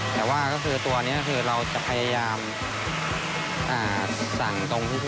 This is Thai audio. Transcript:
แต่ว่าก็คือตัวนี้คือเราจะพยายามสั่งตรงที่